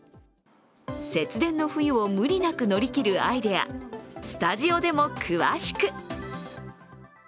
節電の冬を無理なく乗り切るアイデア、スタジオでも詳しく。